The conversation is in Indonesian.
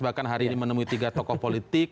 bahkan hari ini menemui tiga tokoh politik